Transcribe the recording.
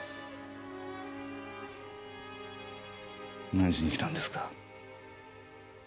何しに来たんですか。